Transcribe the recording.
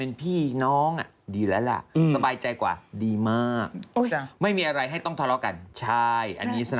อันนี้จริงเลยจริง